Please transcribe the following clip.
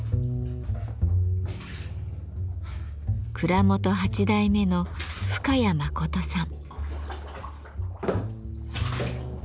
蔵元８代目の深谷允さん。